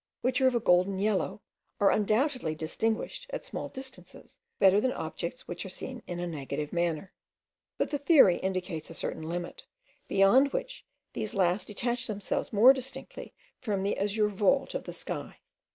which are of a golden yellow, are undoubtedly distinguished at small distances better than objects which are seen in a negative manner; but the theory indicates a certain limit, beyond which these last detach themselves more distinctly from the azure vault of the sky.